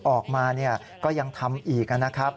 ออกมาก็ยังทำอีกนะครับ